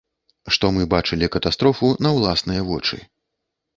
Што мы бачылі катастрофу на ўласныя вочы.